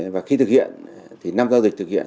và khi thực hiện thì năm giao dịch thực hiện